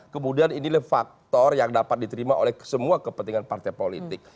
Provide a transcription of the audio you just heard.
kemudian inilah faktor yang dapat diterima oleh semua kepentingan partai politik